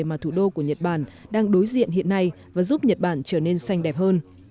mà thủ đô của nhật bản đang đối diện hiện nay và giúp nhật bản trở nên xanh đẹp hơn